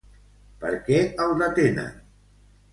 Per què el detenen?